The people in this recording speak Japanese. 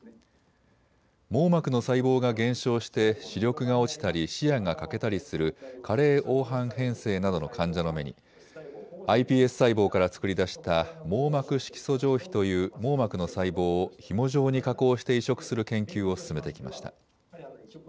網膜の細胞が減少して視力が落ちたり視野が欠けたりする加齢黄斑変性などの患者の目にｉＰＳ細胞から作り出した網膜色素上皮という網膜の細胞をひも状に加工して移植する研究を進めてきました。